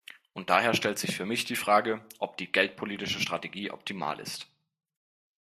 Und daher stellt sich für mich die Frage, ob die geldpolitische Strategie optimal ist.